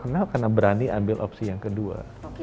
kenal karena berani ambil opsi yang kedua